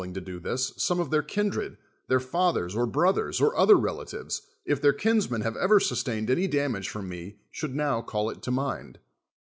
g 1o do Ihis, some of their kindred, their fallu^rs, or l)roth(rs, or other 7'ela1ives, if their kinsmen have ever sus 1ain<'d any damage from me, should now call it to mind.